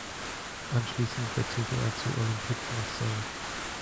Anschließend wechselte er zu Olympique Marseille.